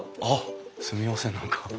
あっすみません何か。